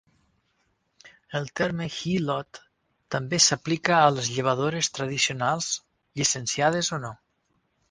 El terme "hilot" també s'aplica a les llevadores tradicionals, llicenciades o no.